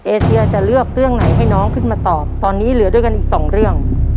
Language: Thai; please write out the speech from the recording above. เอเชียจะเลือกเรื่องไหนให้น้องขึ้นมาตอบตอนนี้เหลือด้วยกันอีกสองเรื่อง